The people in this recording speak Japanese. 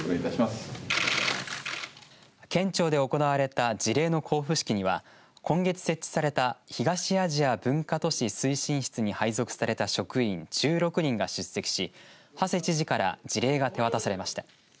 県庁で行われた辞令の交付式には今月設置された東アジア文化都市推進室に配属された職員１６人が出席し馳知事から辞令が手渡されました。